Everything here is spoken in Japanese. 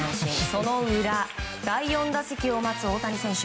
その裏第４打席を待つ大谷選手。